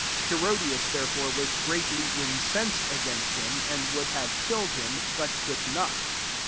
19 HerodSi! therefore, was greatly incen^C against him, and would hikflp killed him ; but could not.